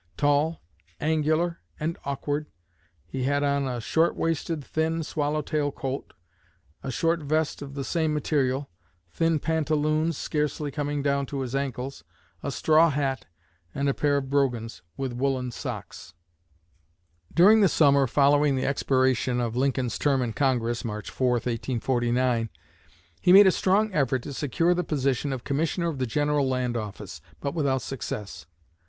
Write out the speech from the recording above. Tall, angular, and awkward, he had on a short waisted, thin, swallow tail coat, a short vest of the same material, thin pantaloons scarcely coming down to his ankles, a straw hat, and a pair of brogans, with woollen socks." During the summer following the expiration of Lincoln's term in Congress (March 4, 1849) he made a strong effort to secure the position of Commissioner of the General Land Office, but without success.